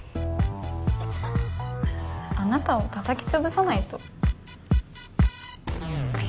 あなたをたたき潰さないと。